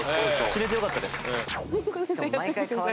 知れてよかったです。